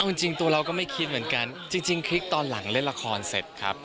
เอาจริงตัวเราก็ไม่คิดเหมือนกันจริงคลิกตอนหลังเล่นละครเสร็จครับ